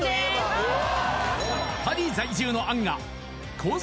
パリ在住の杏がコース